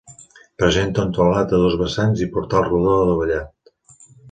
Presenta un teulat a dos vessants i portal rodó adovellat.